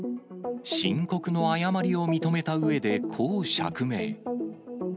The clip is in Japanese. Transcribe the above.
申告の誤りを認めたうえで、こう釈明。